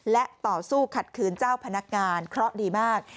และต่อสู้ขัดขืนเจ้าพนักงานเคราะห์ดีมาก